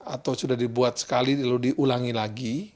atau sudah dibuat sekali lalu diulangi lagi